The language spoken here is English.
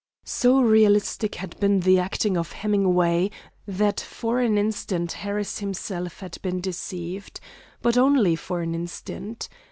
So realistic had been the acting of Hemingway that for an instant Harris himself had been deceived. But only for an instant.